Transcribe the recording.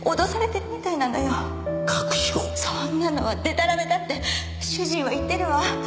そんなのはデタラメだって主人は言ってるわ。